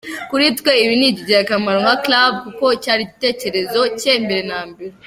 Kuri twe ibi ni ingirakamaro nka Club, kuko cyari igitekerezo cye mbere na mbere.